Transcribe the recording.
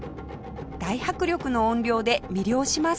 大迫力の音量で魅了します